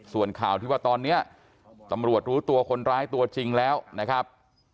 ส่วนข่าวที่ว่าตอนนี้ตำรวจรู้ตัวคนร้ายตัวจริงแล้วนะครับ